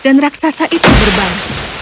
dan raksasa itu berbang